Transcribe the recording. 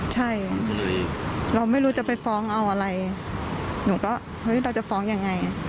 ใช่เราไม่รู้จะไปฟ้องเอาอะไรหนูก็เฮ้ยเราจะฟ้องยังไง